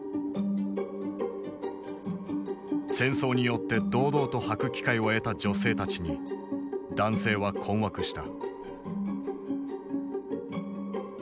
戦争によって堂々とはく機会を得た女性たちに男性は困惑した。